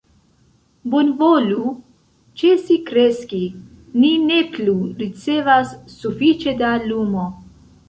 "Bonvolu ĉesi kreski, ni ne plu ricevas sufiĉe da lumo."